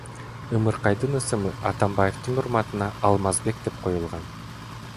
Ымыркайдын ысымы Атамбаевдин урматына Алмазбек деп коюлган.